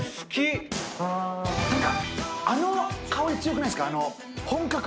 あの香り強くないっすか？